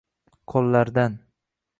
qoʼllardan